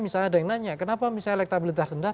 misalnya ada yang nanya kenapa misalnya elektabilitas rendah